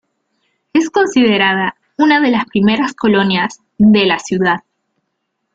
Es considerada una de las primeras colonias de la ciudad.